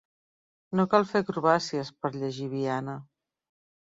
No cal fer acrobàcies per llegir Viana.